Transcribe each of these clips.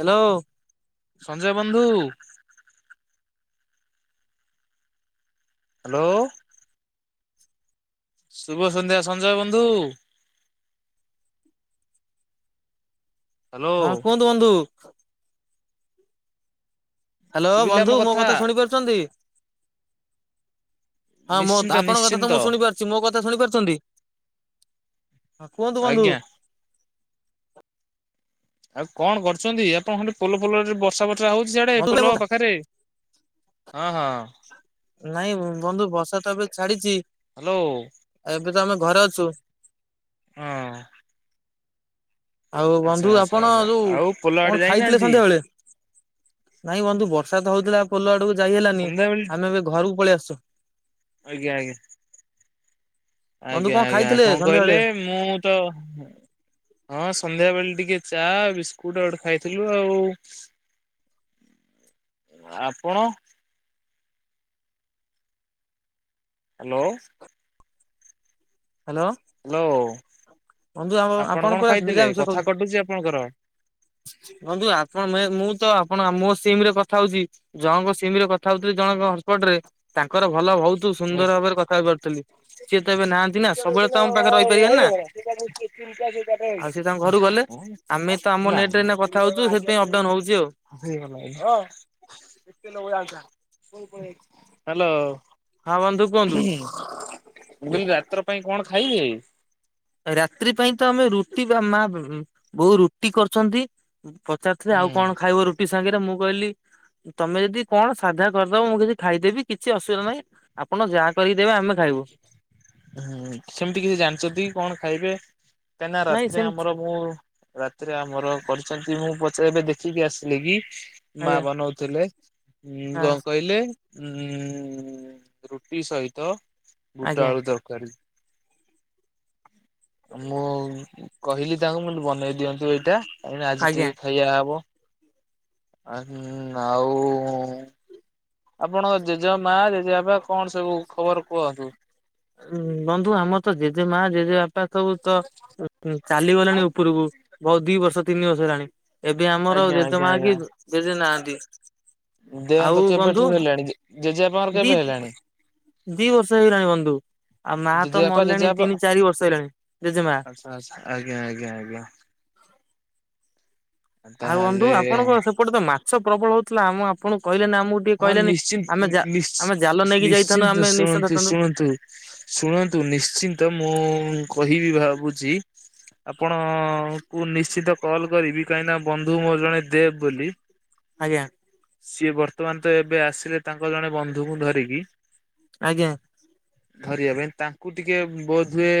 Hello. Sanjay ବନ୍ଧୁ। Hello. ଶୁଭ ସନ୍ଧ୍ୟା ସଞ୍ଜୟ ବନ୍ଧୁ। ହ୍ୟାଲୋ। ହଁ କୁହନ୍ତୁ ବୁନ୍ଧୁ। ହ୍ୟାଲୋ ବନ୍ଧୁ ମୋ କଥା ଶୁଣି ପାରୁଚନ୍ତି। ହଁ ମୁଁ ନିଶ୍ଚିନ୍ତ ଅଧା ଆପଣଙ୍କ କଥା ତ ନିଶ୍ଚିନ୍ତ ମୁଁ ଶୁଣିପାରୁଛି ମୋ କଥା ଶୁଣି ପାରୁଚନ୍ତି? ହଁ କୁହନ୍ତୁ ବନ୍ଧୁ। ଆଜ୍ଞା। ଆଉ କଣ କରୁଚନ୍ତି। ଆପଣ ଖଣ୍ଡେ ପୋଲ ଫୋଲ ବର୍ଷା ବର୍ଷା ହଉଛି ସଆଡେ ପୋଲ ପାଖରେ। ହଁ, ହଁ ନାଇଁ ବନ୍ଧୁ ବର୍ଷା ତ ଏବେ ଛାଡ଼ିଚି। ହ୍ୟାଲୋ। ଏବେ ତ ଆମେ ଘରେ ଅଛୁ। ହଁ ଆଉ ଆଚ୍ଛା ବନ୍ଧୁ ଆଚ୍ଛା ଆପଣ ଆଚ୍ଛା ଯୋଉ ଆଉ ପୋଲ ଆଡେ କଣ ଖାଇଥିଲେ ଯାଇନାହାନ୍ତି ସନ୍ଧ୍ୟାବେେଳେ? ନାଇଁ ବନ୍ଧୁ ବର୍ଷା ତ ହଉଥିଲା ପୋଲ ଆଡକୁ ଯାଇ ହେଲାନି? ସନ୍ଧ୍ୟାବେଳେ ଆମେ ଏବେ ଘରକୁ ପଳି ଆସିଚୁ? ଆଜ୍ଞ ଆଜ୍ଞ। ବନ୍ଧୁ ଆଜ୍ଞା କଣ ଆଜ୍ଞା ଖାଇଥିଲେ କଂ ସନ୍ଧ୍ୟାବେଳେ କହିଲେ ମୁଁ ତ ହଁ ସନ୍ଧ୍ୟା ବେଳେ ଟିକେ ଚା ବିସ୍କୁଟ ଆଉଟେ ଖାଇଥିଲୁ ଆଉ। [inaudible] ଆପଣ- - ହ୍ୟାଲୋ। ହ୍ୟାଲୋ ହ୍ୟାଲୋ ବନ୍ଧୁ ଆମ ଆପଣ କଣ ପୁରା ଖାଇଥିଲେ ନିରାମିଷ କଥା ଖାଉଛନ୍ତି। କଟୁଛି ଆପଣଙ୍କର। ବନ୍ଧୁ ଆପଣ ମେ ମୁଁ ତ ଆପଣ ମୋ ସିମ ରେ କଥା ହଉଚି। ଜଣଙ୍କ ସିମି ରେ କଥା ହଉଥିଲି ଜଣଙ୍କ ହଟସ୍ପଟରେ ତାଙ୍କର ଭଲ ବହୁ- - ତୁ ସୁନ୍ଦର ଭାବରେ କଥା ହେଇ ପାରୁଥିଲୁ ସିଏ ତ ଏବେ ନାହାନ୍ତି। ନା ସବୁବେଳେ ହ୍ୟାଲୋ ତ ଆମ ପାଖରେ ରହିପାରିବ ନା? ଆଉ ସେ ତାଙ୍କ ଘରୁ ଗଲେ। ଆମେ ତ ଆମ ନେଟ ରେ ଏଇନା କଥା ହଉଚୁ ସେଥିପାଇଁ ଅପଡାଉନ ହଉଚି ଆଉ। [unintelligible] ହ୍ୟାଲୋ। ହଁ ବନ୍ଧୁ- - ମୁଁ କହିଲି ରାତ୍ର ପାଇଁ କଣ ଖାଇବେ? ରାତ୍ରି ପାଇଁ ତ ଆମେ ରୁଟି ଭା ବା ମା ବୋଉ ରୁଟି କରିଚନ୍ତି। ପଚାରୁିଥିଲି ଆଉ ହୁଁ କଣ ଖାଇବ ରୁଟି ସାଙ୍ଗରେ ମୁଁ କହିଲି - - ତମେ ଯଦି କଣ ସାଧା କରିଦବ ମୁଁ କିଛି ଖାଇଦେବି କିଛି ଅସୁବିଧା ନାହିଁ। ଆପଣ ଯାହା କରିକି ଦେବେ ଆମେ ଖାଇବୁ। ହୁଁ ସେମିତି କିଛି ଜାଣିଚନ୍ତି କଣ ଖାଇବେ? କାହିଁ ନା ନାଇଁ ରାତିରେ ସେମିତି ଆମର ମୁଁ। ରାତିରେ ଆମର କରିଛନ୍ତି ମୁଁ ପଚାର ଏବେ ଦେଖିକି ଆସିଲି କି ମା ଆଜ୍ଞା ବନଉଥିଲେ ହଁ। କଣ କହିଲେ? ଉଁ ରୁଟି ସହିତ ବୁଟ ଆଜ୍ଞା ଆଳୁ ତର [unintelligible] ମୁଁ କହିଲି ତାଙ୍କୁ ମତେ ବନେଇ ଦିଅନ୍ତୁ ଏଇଟା। କାଇଁ ଆଜି ଆଜ୍ଞା ଟିକେ ଖାଇବା ହବ ଆଉ ଆପଣଙ୍କ ଜେଜ ମା ଜେଜେବାପା କଣ ସବୁ ଖବର କୁହ। ହୁଁ ବନ୍ଧୁ ଆମର ତ ଜେଜେ ମା ଜେଜେ ବାପ ସବୁ ତ ଚାଲିଗଲାଣି ଉପରକୁ ବହୁତ ଦି ବର୍ଷ ତିନି ବର୍ଷ ହେଲାଣି। ଏବେ ଆମର ଆଜ୍ଞା ଆଜ୍ଞା ଜେଜେମା ଆଜ୍ଞା କି ଜେଜେ ନାହାନ୍ତି। ଆଉ ଦେହାନ୍ତ ବନ୍ଧୁ କେବେଠାରୁ ହେଲାଣି ଜେଜେବାପାଙ୍କର ଦି କେବେ ହେଲାଣି? ଦି ବର୍ଷ ହେଇଗଲାଣି ବନ୍ଧୁ। ଆଉ ମା ତ ଜେଜେବାପା ମଲେଣି ଜେଜେବାପା ତିନି ଚାରି ବର୍ଷ ହେଇଲାଣି ଜେଜେମା। ଆଚ୍ଛା ଆଜ୍ଞା ଆଜ୍ଞା ଆଜ୍ଞା। ଆଉ ବନ୍ଧୁ ତାହେଲେ ଆପଣଙ୍କ ସେପଟେ ତ ମାଛ ପ୍ରବଳ ହଉ ନା ଆମ ଆପଣଙ୍କୁ କହିଲେନି ଆମକୁ ଟିକେ ହଁ କହିଲେନି ନିଶ୍ଚିନ୍ତ ଆମେ ନିଶ୍ ଆମେ ଜା ଜାଲ ନେଇକି ଯାଇଥାନ୍ତୁ ନିଶ୍ଚିନ୍ତ ଆମେ ନିଶ୍ଚନ୍ତ ଶୁଣନ୍ତୁ ଧରି ଥାନ୍ତୁ। ଶୁଣନ୍ତୁ ଶୁଣନ୍ତୁ ନିଶ୍ଚିନ୍ତ ମୁଁ କହିବି ଭାବୁଛି ଆପଣଙ୍କୁୁ ନିଶ୍ଚିତ କଲ କରିବି କାହିଁକି ବନ୍ଧୁ ମୋର ଜଣେ ଦେବ ବୋଲି। ଆଜ୍ଞା। ସିଏ ବର୍ତ୍ତମାନ ତ ଏବେ ଆସିଲେ ତାଙ୍କ ଜଣେ ବନ୍ଧୁଙ୍କୁ ଧରିକି। ଆଜ୍ଞା ଧରିବା ପାଇଁ ତାଙ୍କୁ ଟିକେ ବୋଧ ହୁଏ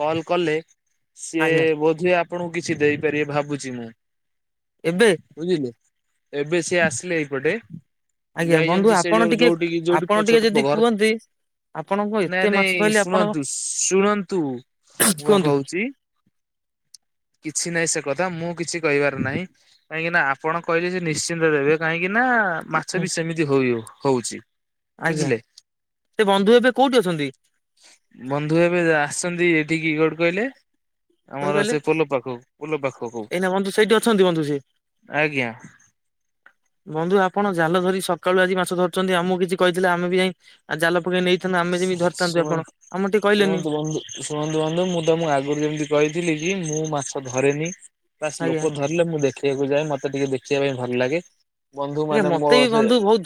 କଲ କଲେ ସିଏ ଆଜ୍ଞା ବୋଧ ହୁଏ ଆପଣଙ୍କୁ କିଛି ଦେଇପାରିବେ ଭାବୁଛି ମୁଁ। ଏବେ? ବୁଝିଲେ ଏବେ ସିଏ ଆସିଲେ ଏପଟେ। ଆଜ୍ଞା ବନ୍ଧୁ ଯାଇଚନ୍ତି ସେ ଆପଣ ଯୋଉ ଟିକେ ଯୋଉଟିକି ଯୋଉଟି ଆପଣ ଟିକେ ଛୋଟ ଯଦି ପ ଘର କୁହନ୍ତି ଆପଣ କଣ ଏତେ ମାଛ ନାଇଁ-ନାଇଁ ଧଇଲେ ଆପଣ ଶୁଣନ୍ତୁ ଶୁଣନ୍ତୁ ମୁଁ କଣ କୁହନ୍ତୁ କହୁଚି କିଛିନାହିଁ ସେ କଥା ମୁଁ କିଛି କହିବାର ନାହିଁ କାହିଁକିନା ଆପଣ କହିଲେ ସେ ନିଶ୍ଚିନ୍ତ ଦେବେ କାହିଁକିନା ମାଛ ବି ସେମିତି ହୋଇ ହଉଚି। ଆଜ୍ଞା ସେ ବନ୍ଧୁ ଏବେ କୋଉଟି ଅଛନ୍ତି? ବନ୍ଧୁ ଏବେ ଆସଛନ୍ତି ଏଠିକି କୋଉଟି କହିଲେ? କଣ ଆମର କହିଲେ ସେ ପୋଲ ପାଖକୁ ପୋଲ ପାଖକୁ ଏଇନା ବନ୍ଧୁ ସେଇଠି ଅଛନ୍ତି ବନ୍ଧୁ ସିଏ। ଆଜ୍ଞା। ବନ୍ଧୁ ଆପଣ ଜାଲ ଧରି ସକାଳୁ ଆଜି ମାଛ ଧରୁଚନ୍ତି, ଆମୁକୁ କିଛି କହିଥିଲେ ଆମେ ବି ଯାଇଁ ଆଉ ଜାଲ ପକେଇ ନେଇଥାନ୍ତୁ ଆମେ ଯେମିତି ଧରିଥାନ୍ତୁ ଆପଣ ଶୁଣନ୍ତୁ ଆମକୁ ଟିକେ କହିଲେନି ଶୁଣନ୍ତୁ ବନ୍ଧୁ ଶୁଣନ୍ତୁ ବନ୍ଧୁ ମୁଁ ତମକୁ ଆଗରୁ ଯେମିତି କହିଥିଲି କି ମୁଁ ମାଛ ଧରେନି, ବାସ୍ ଆଜ୍ଞା ଲୋକ ଧର ଲେ ମୁଁ ଦେଖିବାକୁ ଯାଏ ମତେ ଟିକେ ଦେଖିବା ପାଇଁ ଭଲ ଲାଗେ। ବନ୍ଧୁ ଆଜ୍ଞା ମାନେ ମୋ ମତେ ବି ସେ ବନ୍ଧୁ ବହୁତ୍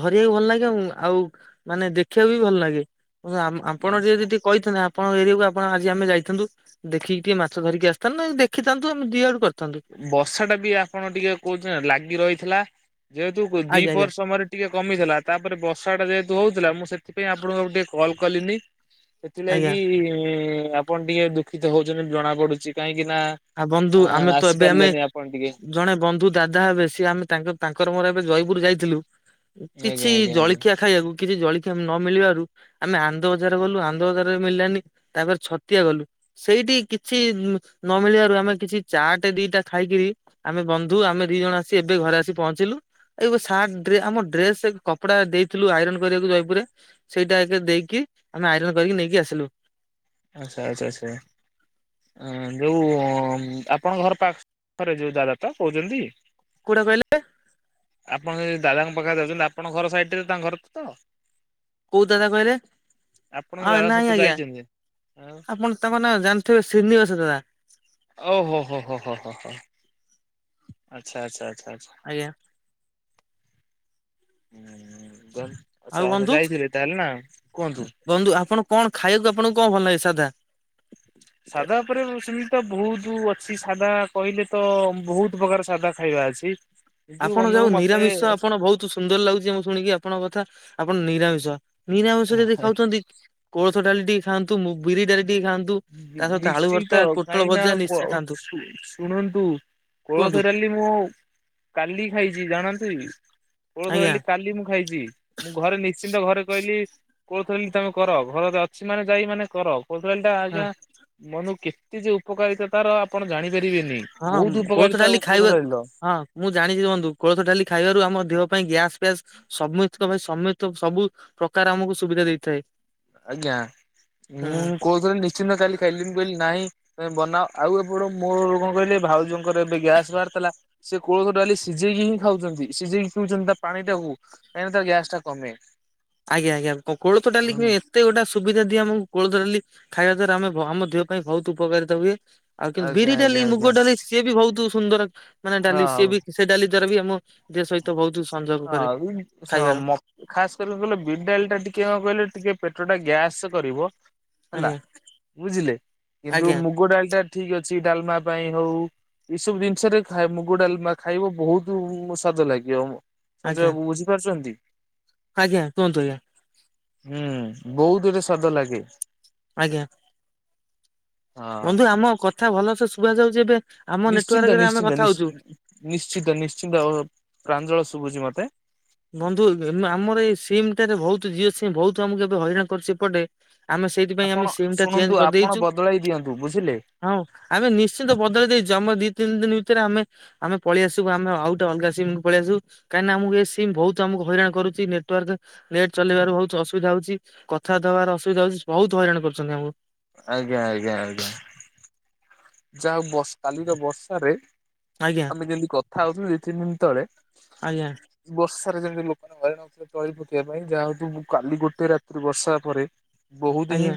ଧରିବାକୁ ଭଲ ଲାଗେ ଆଉ ମାନେ ଦେଖିବାକୁ ବି ଭଲ୍ ଲାଗେ। ଆପଣ ଟିକେ ଯଦି ଟିକେ କହିଥାନ୍ତେ ଆପଣଙ୍କ ଏରିଆକୁ ଆପଣ ଆଜି ଆମେ ଯାଇଥାନ୍ତୁ। ଦେଖିକି ଟିକେ ମାଛ ଧରିକି ଆସିଥାନ୍ତୁ ନାଇଁ ଦେଖିଥାନ୍ତୁ ଆମେ ଦି ଆଡୁ କରିଥାନ୍ତୁ। ବର୍ଷା ଟା ବି ଆପଣ ଟିକେ କହୁଛନ୍ତି ଲାଗି ରହିଥିଲା ଯେହେତୁ ଆଜ୍ଞା ଆଜ୍ଞା ଦିପହର ସମୟରେ ଟିକେ କମିଥିଲା ତାପରେ ବର୍ଷା ଟା ଯେହେତୁ ହଉଥିଲା ମୁଁ ସେଥିପାଇଁ ଆପଣଙ୍କୁ ଆଉ ଟିକେ କଲ୍ କଲିନି। ଆଜ୍ଞା ସେଥିଲାଗି ଆପଣ ଟିକେ ଦୁଃଖିତ ହଉଛନ୍ତି ଜଣା ପଡୁଛି କାହିଁକିନା ଆ ବନ୍ଧୁ ଆମେ ତ [unintelligible] ଏବେ ଆମେ ଆପଣ ଟିକେ ଜଣେ ବନ୍ଧୁ ଦାଦା ହେବେ ସିଏ ଆମେ ତାଙ୍କ ତାଙ୍କର ମୋର ଏବେ ଜୟପୁର ଯାଇଥିଲୁ। ଆଜ୍ଞା କିଛି ଆଜ୍ଞା ଆଜ୍ଞା। ଜଳିଖିଆ ଖାଇବାକୁ କିଛି ଜଳିଖିଆ ନ ମିଳିବାରୁ ଆମେ ଆନ୍ଦ ବଜାର ଗଲୁ ଆନ୍ଦ ବଜାରରେ ମିଳିଲାନି ତାପରେ ଛତିଆ ଗଲୁ ସେଇଟି କିଛି ନ ମିଳିବାରୁ ଆମେ କିଛି ଚାଟେ ଦିଟା ଖାଇକିରି‌ ଆମେ ବନ୍ଧୁ ଆମେ ଦି ଜଣ ଆସି ଏବେ ଘରେ ଆସି ପହଞ୍ଚିଲୁ। ଏଇଯଉ ସାର୍ଟ ରେ ଆମ ଡ୍ରେସ୍ କପଡା ଦେଇଥିଲୁ ଆଇରନ୍ କରିବାକୁ ଜୟପୁରରେ। ସେଇଟା ଏବେ ଦେଇକି ଆମେ ଆଇରନ୍ କରିକି ନେଇକି ଆସିଲୁ। ଆଚ୍ଛା-ଆଚ୍ଛା-ଆଚ୍ଛା। ଅ ଯୋଉ ଆପଣଙ୍କ ଘର ପାଖରେ ଯୋଉ ଦାଦା ତ କହୁଛନ୍ତି? କୋଉଟା କହିଲେ? ଆପଣ ଏଇ ଦାଦାଙ୍କ ପାଖରେ ରହୁଛନ୍ତି ଆପଣଙ୍କ ଘର ସାଇଟ୍ ରେ ତାଙ୍କ ଘର ତ?? କୋଉ ଦାଦା କହିଲେ ଆ ଆପଣଙ୍କ ଦାଦା ନାଇଁ ସହିତ ଆଜ୍ଞା ଯାଇଚନ୍ତି ଯେ। ଆପଣ ତାଙ୍କ ନାଁ ଜାଣିଥିବେ ଶ୍ରୀନିବାସ ଜେନା। ଓ ହୋ-ହୋ-ହୋ-ହୋ-ହୋ ଆଚ୍ଛା-ଆଚ୍ଛା-ଆଚ୍ଛା-ଆଚ୍ଛା। ଆଜ୍ଞା। ହୁଁ ଯ ଆଉ ଆଚ୍ଛା-ଆଚ୍ଛା ବନ୍ଧୁ ଯାଇଥିଲେ ତାହେଲେ ନା କୁହନ୍ତୁ। ବନ୍ଧୁ ଆପଣ କଣ ଖାଇବାକୁ ଆପଣଙ୍କୁ କଣ ଭଲ ଲାଗେ ସାଧା? ସାଧା ଉପରେ ସେମିତି ତ ବହୁତ ଅଛି, ସାଧା କହିଲେ ତ ବହୁତ୍ ପ୍ରକାର ସାଧା ଖାଇବା ଅଛି। କିନ୍ତୁ ଆପଣ ବନ୍ଧୁ ଯଉ ମତେ ନିରାମିଷ ଆପଣ ବହୁତ୍ ତ୍ ସୁନ୍ଦର ଲାଗୁଛି ମୁଁ ଶୁଣିକି ଆପଣଙ୍କ କଥା, ଆପଣ ନିରାମିଷ-ନିରାମିଷ ଯଦି ଖାଉଚନ୍ତି କୋଳଥ ଡାଲି ଟିକେ ଖାଆନ୍ତୁ, ମୁ ବିରି ଡାଲି ଟିକେ ଖଆନ୍ତୁ। ହୁଁ ନିଶ୍ଚିନ୍ତ କାହିଁକି ନା କୋ ନିଶ୍ଚୟ ଖାଆନ୍ତୁ ଶୁ ଶୁଣନ୍ତୁ କୁହନ୍ତୁ କୋଳଥ ଡାଲି ମୁଁ କାଲି ଖାଇଚି ଜାଣନ୍ତିକି, କୋଳଥ ଆଜ୍ଞା ଡାଲି କାଲି ମୁଁ ଖାଇଚି‌। ମୁଁ ଘରେ ନିଶ୍ଚିନ୍ତ ଘରେ କହିଲି କୋଳଥ ଡାଲି ତମେ କର ଘରରେ ଅଛି ମାନେ ଜାଇ ମାନେ କର, କୋଳଥ ଡାଲିଟା ଆଜ୍ଞା ମାନେ କେତେ ଯେ ଉପକାରିତା ତାର ଆପଣ ଜାଣିପାରିବେନି, ହଁ ହଁ ବହୁତ୍ ଉପକାରିତା ଡାଲି ଖାଇବା କୋଳଥ ଡାଲିର। ହଁ ମୁଁ ଜାଣିଛି ବନ୍ଧୁ କୋଳଥ ଡାଲି ଖାଇବାରୁ ଆମ ଦେହ ପାଇଁ ଗ୍ୟାସ୍ ଫ୍ୟାସ୍ ସମୁ ତ ଭାଇ ସମେତ ସବୁ ପ୍ରକାର ଆମକୁ ସୁବିଧା ଦେଇଥାଏ। ଆଜ୍ଞା ହୁଁ ମୁଁ କୋଳଥ ଡାଲି ନିଶ୍ଚିନ୍ତ କାଲି ଖାଇଲି, ମୁଁ କହିଲି ନାଇଁ ବନା ଆଉ ଏପଟ ମୋର କଣ କହିଲେ! ଭାଉଜଙ୍କର ଏବେ ଗ୍ୟାସ୍ ବାହାରି ଥିଲା! ସେ କୋଳଥ ଡାଲି ସିଝେଇକି ହିଁ ଖାଉଛନ୍ତି! ସିଝେଇକି ପିଉଛନ୍ତି ତା ପାଣି ଟାକୁ! କାହିଁକି ନା ତା ଗ୍ୟାସ ଟା କମେ! ଆଜ୍ଞା-ଆଜ୍ଞ କୋଳଥ ଡାଲି କୁ ଏ ଏତେ ଗୋଟା ସୁବିଧା ଦିଏ! ଆମକୁ କୋଳଥ ଡାଲି ଖାଇବା ଦ୍ଵାରା ଆମେ ଆମ ଦେହ ପାଇଁ ବହୁତ୍ ଉପକାରତା ହୁଏ। ଆଉ କିନ୍ତୁ ଆଜ୍ଞା ବିରି ଆଜ୍ଞା ଡାଲି, ଆଜ୍ଞା ମୁଗ ଡାଲି ସିଏ ବି ବହୁତ ସୁନ୍ଦର! ମାନେ ଡାଲି ହଁ ସିଏ ବି ସେ ଡାଲି ଦ୍ଵାରା ବି ଆମ ଦେହ ସହିତ ବହୁତ ସଂଯୋଗ କରେ ଖାଇବାର। ଖାସ୍ କରି କହିଲେ! ବିରିଡାଲି ଟା ଟିକେ କଣ କହିଲେ ଟିକେ ପେଟ ଟା ଗ୍ୟାସ କରିବ। ହେଲା ଆଜ୍ଞା ବୁଝିଲେ! କିନ୍ତୁ ଆଜ୍ଞା ମୁଗ ଡାଲି ଟା ଠିକ୍ ଅଛି ଡାଲମା ପାଇଁ ହଉ। ଏଇ ସବୁ ଜିନିଷରେ ଥାଏ! ମୁଗ ଡାଲାମା ଖାଇବ ବହୁତ ସ୍ଵାଦ ଲାଗିବ। ସଞ୍ଜୟ ଆଜ୍ଞା ବାବୁ ବୁଝିପାରୁଛନ୍ତି? ଆଜ୍ଞା କୁହନ୍ତୁ ଆଜ୍ଞା। ହୁଁ ବହୁତ୍ ରେ ସ୍ୱେଦ ଲାଗେ। ଆଜ୍ଞା। ହଁ ବନ୍ଧୁ ଆମ କଥା ଭଲସେ ଶୁଭ ଯାଉଛି ଏବେ! ଆମ ନେଟୱାର୍କରେ ଆମେ କଥା ହଉଛୁ। ନିଶ୍ଚିନ୍ତ-ନିଶ୍ଚିନ୍ତ! ଅ ପ୍ରାଞ୍ଜଳ ଶୁଭୁଛି ମତେ। ବନ୍ଧୁ ଆମର ଏଇ ସିମ୍ ଟାରେ ବହୁତ୍ ଜିଓ ସିମ୍, ବହୁତ ଆମକୁ ଏବେ ହଇରାଣ କରୁଛି ଏପଟେ। ଆମେ ସେଇଥିପାଇଁ, ଆପଣ ଆମେ ସିମ୍ ଟା ଚେଞ୍ଜ ଶୁଣନ୍ତୁ ଆପଣ କରିଦେଇଚୁ। ବଦଳାଇ ଦିଅନ୍ତୁ ବୁଝିଲେ ହଁ ଆମେ ନିଶ୍ଚିନ୍ତ ବଦଳି ଦେଇଛୁ, ଆମ ଦି ତିନି ଦିନ ଭିତରେ ଆମେ ଆମେ ପଳେଇ ଆସିବୁ ଆମେ ଆଉଗୋଟେ ଅଲଗା ସିମ୍ କୁ ପଳେଇଆସିବୁ କାହିଁକିନା ଆମ କୁ ଏ ସି ସି ମ୍ ବହୁତ ଆମକୁ ହଇରାଣ କରୁଛି ନେଟେୱର୍କ ନେଟ୍ ଚଲେଇବାର ବହୁତ ଅସୁବିଧା ହଉଚି କଥାବାର୍ତ୍ତା ହବାର ଅସୁବିଧା ହୋଉଚି ବହୁତ ହଇରାଣ କରୁଚନ୍ତି ଆମକୁ। ଆଜ୍ଞା ଆଜ୍ଞା ଆଜ୍ଞା। ଯାହା ହଉ କାଲିର ବର୍ଷାରେ। ଆଜ୍ଞା। ଆମେ ଯେମିତି କଥା ହୋଉଥୁଲୁ ଦି ତିନି ଦିନି ତଳେ। ଆଜ୍ଞା। ବର୍ଷାରେ ଯେମିତି ଲୋକ। ଘରେ ନଥିଲେ ତଳି ପକେଇବା ପାଇଁ ଯାହା ହଉ କାଲି ଗୋଟେ ରାତିି ବର୍ଷା ପରେ ବହୁତ ହିଁ ଆଜ୍ଞା।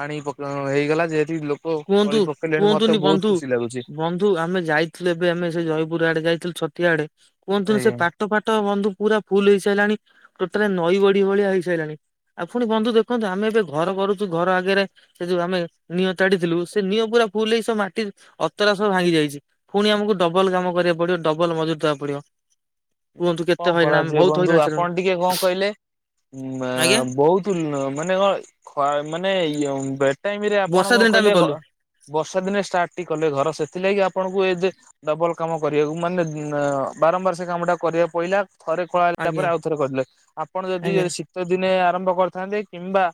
ପାଣି ପ ହେଇଗଲା ଯେହେତୁ ଲୋକ କୁହନ୍ତୁ ତଳି ପକେଇଲେଣି ମତେ ବହୁତ୍ ଖୁସି ଲାଗୁଛି। ଏ ଆମେ ଯାଇଥିଲୁ ଏବେ ଆମେ ସେ ଜୟପୁର ଆଡେ ଯାଇଥିଲୁ ଛତିଆ ଆଡେ କୁହତୁନି ସେ ଆଜ୍ଞା ପା ପାଟ ଫାଟ ବନ୍ଧୁ ପୁରା ଫୁଲୁ ହେଇସାରିଲାଣି ଟୋଟାଲ ନଈ ବଢି ଭଳିଆ ହେଇସାରିଲାଣି। ଆଉ ପୁଣି ବନ୍ଧୁ ଦେଖନ୍ତୁ ଆମେ ଏବେ ଘର କରୁଛୁ ଘର ଆଗରେ ସେ ଯୋଉ ଆମେ ନିଅଁ ତାଡିଥିଲୁ ସେ ନିଅଁ ପୁରା ଫୁଲୁ ହେଇ ସବୁ ମାଟି ଅତରା ସବୁ ଭାଙ୍ଗି ଯାଇଛି। ପୁଣି ଆମକୁ ଡବଲ କାମ କରିବାକୁ ପଡିବ ଡବଲ ମଜୁରି ଦେବାକୁ ପଡିବ। କୁହନ୍ତୁ କେତେ କଣ ହଇରାଣ ଆମେ କରାଯିବଏ ବହୁତ ବନ୍ଧୁ ହଇରାଣ ଆପଣ ହେଇସାରିଲୁଣି। ଟିକେ କଣ କହିଲେ ଉ ଆଜ୍ଞା ବହୁତ। ମାନେ ମାନେ ବେ ଟାଇମିରେ ଆପଣ ବର୍ଷା କଣ ଦିନଟା ଆମେ କହିଲେ। କଲୁ ବର୍ଷା ଦିନେ ଷ୍ଟାର୍ଟ ଟି କଲେ ଘର ସେଥିଲାଗି ଆପଣଙ୍କୁ ଏ ଯେ ଡବଲ କାମ କରିବାକୁ ମାନେ ବାରମ୍ବାର ସେ କାମ ଟା କରିବା। କୋହୁନ ଥରେ କଲା ପରେ ଆଜ୍ଞା ଆଉ ଥରେ କରିଲ ଆପଣ ଯଦି ଆଜ୍ଞା ଶୀ ଶୀତ ଦିନେ ଆରମ୍ଭ କରିଥାନ୍ତେ କିମ୍ବା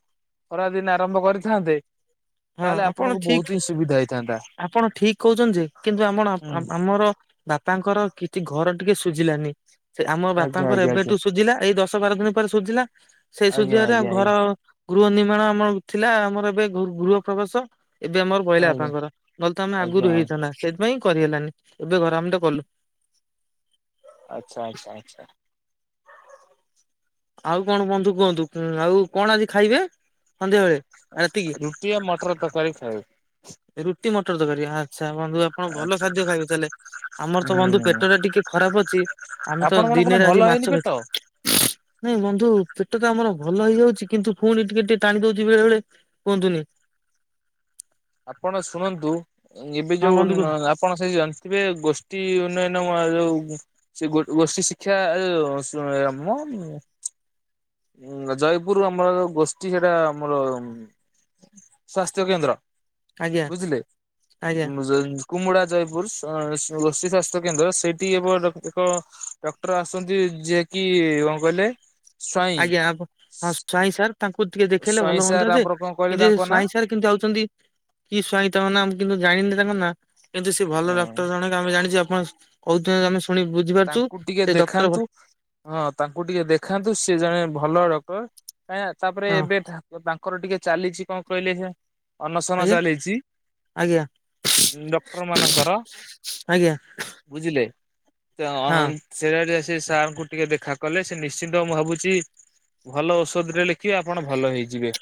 ଖରାଦିନେ ଆରମ୍ଭ କରିଥାନ୍ତେ। ହଁ ତାହେଲେ ଆପଣ ଆପଣଙ୍କୁ ବହୁତ ଠିକ୍ ହିଁ ସୁବିଧା ହେଇଥାନ୍ତା ଆପଣ ଠିକ୍ କହୁଛନ୍ତି ଯେ କିନ୍ତୁ ଆମଣ ହୁଁ ଆମର ବାପାଙ୍କର କିଛି ଘର ଟିକେ ସୁଝିଲାନି ସେ ଆମ ଆଜ୍ଞା ବାପାଙ୍କର ଆଜ୍ଞା ଏବେଟିକେ ସୁଝିଲା ଏଇ ଦଶ ବାର ଦିନି। ଉପରେ ସୁଝିଲା ସେଇ ଆଜ୍ଞା ସୁଝିବାରେ ଆଜ୍ଞା ଆଜ୍ଞା ଘର ଗୃହ ନିର୍ମାଣ ଆମର ଥିଲା ଆମର ଏବେ ଗୃହ। ପ୍ରବେଶ ଏବେ ଆମର ଗଲା ଆଜ୍ଞା ବାପାଙ୍କର ନହେଲେ ତ ଆମର ତ ଆଜ୍ଞା ଆଗରୁ ଆଜ୍ଞା ହେଇଥାନ୍ତା। ସେଥିପାଇଁ କରିହେଲାନି ଏବେ ଘର ଆମେ ତ କଲୁ। ଆଚ୍ଛା ଆଚ୍ଛା ଆଚ୍ଛା। ଆଉ କଣ ବନ୍ଧୁ କୁହନ୍ତୁ ଆଉ କଣ ଏବେ ଖାଇବେ? ହାଲୋ ରାତିକି। ରୁଟି ଆଉ ମଟର ତରକାରୀ ଖାଇବେ ରୁଟି ମଟର ତ କରିବା ଆଚ୍ଛା ବନ୍ଧୁ ଆପଣ ଭଲ ଆଚ୍ଛା ଖାଦ୍ୟ ଖାଇବେ ଆମର ତ ବନ୍ଧୁ ହୁଁ ପେଟ ଟା ଟିକେ ଖରାପ ଅଛି ଆମେ ଆପଣ ତ କଣ କଣ ଦିନରେ ଭଲ ଆଜି ହେଇନି ମାଛ ପେଟ ଖା ନାଇଁ ବନ୍ଧୁ ପେଟ ତ ଆମର ଭଲ ହେଇଯାଉଛି କିନ୍ତୁ ପୁଣି ଟିକେ ଟିକେ ଟାଣି ଦଉଛି ବେଳେ ବେଳେ କୁହନ୍ତୁନି। ଆପଣ ଶୁଣନ୍ତୁ ଏବେ ହଁ ଯୋଉ ବନ୍ଧୁ ମା କୁହନ୍ତୁ ସେ ମାନେ ସବୁ ଜାଣିଥିବେ ଗୋଷ୍ଠୀ ଉନ୍ନୟନ ଆଉ ଆଉ। ସେ ଗୋ ଗୋଷ୍ଠୀ ଶିକ୍ଷା ୟେ ମ। ଜୟପୁର ଆମର ଗୋଷ୍ଠୀ ସେଟା ଆମର। ସ୍ୱ ସ୍ଥ୍ୟ କେନ୍ଦ୍ର ଆଜ୍ଞା ବୁଝିଲେ। ଆଜ୍ଞା କୁମୁଡା ଜୟପୁର ଗୋଷ୍ଠୀ ସ୍ୱାସ୍ଥ୍ୟ କେନ୍ଦ୍ର ସେଇଠି ଏବ ଏକ। ଡକ୍ଟର ଆସଛନ୍ତି ଯିଏକି କଣ କହିଲେ। ସ୍ଵାଇଁ ଆଜ୍ଞା ଆ ହଁ ସ୍ଵାଇଁ ସାର୍ ତାଙ୍କୁ ଟିକେ ଦେଖେଇଲେ ସ୍ଵାଇଁ ଭଲ ସାର୍ ହୁଅନ୍ତା ଯେ ଆମର କଣ କହିଲେ କିନ୍ତୁ ତାଙ୍କ ନା ସ୍ଵାଇଁ ସାର୍। କିନ୍ତୁ ଆଉଚନ୍ତି କି ସ୍ଵାଇଁ ତାଙ୍କ ନାଁ କିନ୍ତୁ ଜାଣିନି ତାଙ୍କ ନାଁ। କିନ୍ତୁ ସେ ଭଲ ଡକ୍ଟର ଜଣକ ଆମେ ଜାଣିଛୁ ଆପଣ କହୁଛନ୍ତି ଆମେ ପୁଣି ବୁଝିପାରୁଚୁ ତାଙ୍କୁ ଟିକେ ସେ ଡକ୍ଟର ଦେଖାନ୍ତୁ ଭଲ। ହଁ ତାଙ୍କୁ ଟିକେ ଦେଖାନ୍ତୁ ସିଏ ଜଣେ ଭଲ ଡକ୍ଟର୍ କାଁ ତାପରେ ହଁ ଏବେ ତାଙ୍କର ଟିକେ ଚାଲିଛି କଣ କହିଲେ ସେ ଅନଶନ ଆଜ୍ଞା ଚାଲିଛି ଆଜ୍ଞା ଡକ୍ଟର ମାନଙ୍କର। ଆଜ୍ଞା ବୁଝିଲେ ଅନ ହଁ ସେଇଟା ଟିକେ ସେ ସାର୍ ଙ୍କୁ ଟିକେ ଦେଖା କଲେ ସେ ନିଶ୍ଚିନ୍ତ ମୁଁ ଭାବୁଛି ଭଲ ଔଷଧରେ କି ଆପଣ ଭଲ ହେଇଯିବେ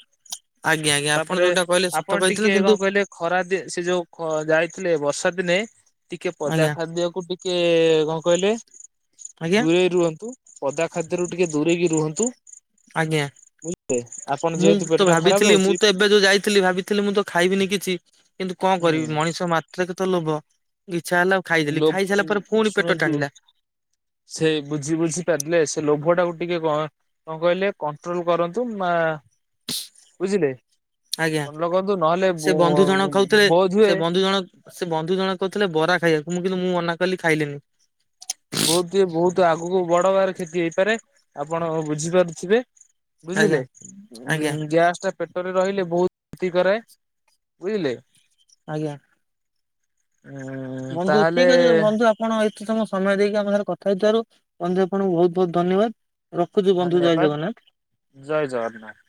ଆଜ୍ଞା ଆଜ୍ଞା ଆପଣ ତାପରେ ଯୋଉଟା କହିଲେ ସତ ଆପଣ କହିଥିଲେ ଟିକେ କଣ କିନ୍ତୁ କହିଲେ ଖରା ଦିନ ସେ ଯୋଉ ଯାଇଥିଲେ ବର୍ଷା ଦିନେ ଟିକେ ପଦା ଆଜ୍ଞା ଖାଦ୍ୟକୁ ଟିକେ ଟିକେ କଣ କହିଲେ ଆଜ୍ଞା ଦୂରେଇ ରୁହନ୍ତୁ। ପଦା ଖାଦ୍ୟରୁ ଟିକେ ଦୂରେଇକି ରୁହନ୍ତୁ। ଆଜ୍ଞା। ବ ଆପଣ [inaudible] ମୁଁ ତ ଟା ଖରାପ ଭାବିଥିଲି ମୁଁ ରହୁଛି ତ ଏବେ ଯୋଉ ଯାଇଥିଲି ଭାବିଥିଲି ମୁଁ ତ ଖାଇବିନି କିଛି। କିନ୍ତୁ କଣ ହୁଁ କରିବି ମଣିଷ ମାତ୍ର କେତ ଲୋଭ ଇଚ୍ଛା ହେଲା ଖାଇଦେଲି ଲୋ ଖାଇ ସାରିଲା ପରେ ପୁଣି ପେଟ ଶୁଣନ୍ତୁ ଟାଣିଲା। ସେ ବୁଝି ବୁଝି ପାରିଲେ ସେ ଲୋଭ ଟାକୁ ଟିକେ କଣ କଣ କହିଲେ କଣ୍ଟ୍ରୋଲ କରନ୍ତୁ ଵା ବୁଝିଲେ ଆଜ୍ଞା କଣ ଲଗନ୍ତୁ ନହେଲେ ସେ ବନ୍ଧୁ ଜଣ ଖାଉଥିଲେ। ବୋଧ ସେ ହୁଏ ବନ୍ଧୁ ଜଣ ସେ ବନ୍ଧୁ ଜଣକ କହୁଥିଲେ ବରା ଖାଇବାକୁ ମୁଁ କିନ୍ତୁ ମୁଁ ମନା କଲି ଖାଇଲିନି। ବହୁତ ଇଏ ବହୁତ ଆଗକୁ ବଡ ବାର କ୍ଷତି ହେଇପାରେ ଆପଣ ବୁଝିପାରୁଥିବେ। ଆଜ୍ଞା। ବୁଝିଲେ ଉ ଆଜ୍ଞା ଗ୍ୟାସ ଟା ପେଟରେ ରହିଲେ ବହୁତ କ୍ଷତି କରେ ବୁଝିଲେ। ଆଜ୍ଞା। ଓ [inaudible] ବନ୍ଧୁ ଠିକ୍ ଅଛି ବନ୍ଧୁ ଆପଣ ଏତେ ସମୟ ଦେଇକି ଆମ ସାଙ୍ଗରେ କଥା ହେଇଥିବାରୁ ବନ୍ଧୁ ଆପଣଙ୍କୁ ବହୁତ ବହୁତ ଧନ୍ୟବାଦ। ରଖୁଛୁ ବନ୍ଧୁ ଜୟ ଧନ୍ୟବାଦ ଜଗନ୍ନାଥ। ଜୟ ଜଗନ୍ନାଥ।